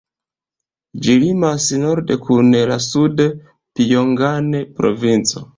Ĝi limas norde kun la Sud-Pjongan provinco.